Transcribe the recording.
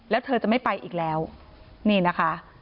แล้วเธอจะไม่ไปอีกแล้วนี่นะคะ